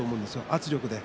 圧力で。